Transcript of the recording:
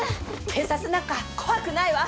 警察なんか怖くないわ！